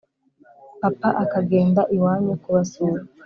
papa akagenda iwanyu kubasura